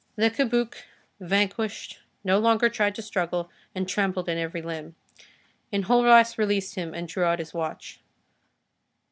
Le Cabuc, vanquished, no longer tried to struggle, and trembled in every limb. Enjolras released him and drew out his watch.